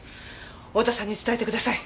太田さんに伝えてください。